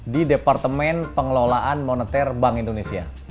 di departemen pengelolaan moneter bank indonesia